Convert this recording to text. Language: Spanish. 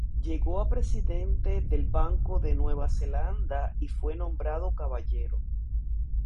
Llegó a presidente del Banco de Nueva Zelanda y fue nombrado caballero.